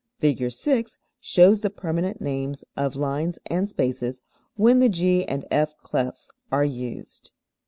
Fig. 6 shows the permanent names of lines and spaces when the G and F clefs are used.